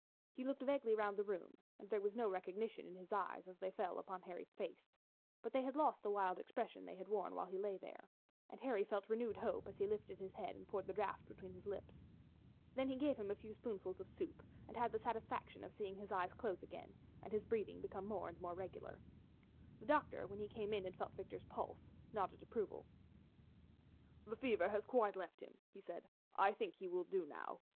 He looked vaguely round the room and there was no recognition in his eyes as they fell upon Harry's face, but they had lost the wild expression they had worn while he had lain there, and Harry felt renewed hope as he lifted his head and poured the draught between his lips. Then he gave him a few spoonfuls of soup and had the satisfaction of seeing his eyes close again and his breathing become more and more regular. The doctor, when he came in and felt Victor's pulse, nodded approval. "The fever has quite left him," he said; "I think he will do now.